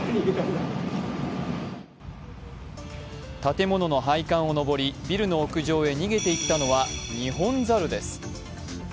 建物の配管を登りビルの屋上へ逃げていったのはニホンザルです。